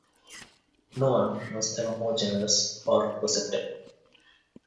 No one was ever more generous or perceptive.